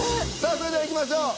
それではいきましょう。